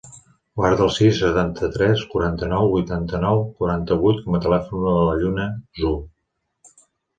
Guarda el sis, setanta-tres, quaranta-nou, vuitanta-nou, quaranta-vuit com a telèfon de la Lluna Zhu.